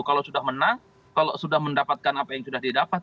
kalau sudah menang kalau sudah mendapatkan apa yang sudah didapat